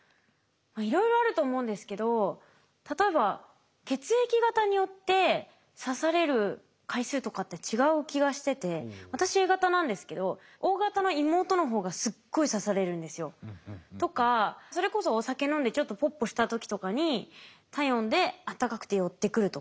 いろいろあると思うんですけど例えば血液型によって刺される回数とかって違う気がしてて私Ａ型なんですけどＯ型の妹の方がすっごい刺されるんですよ。とかそれこそお酒飲んでちょっとポッポした時とかに体温であったかくて寄ってくるとか。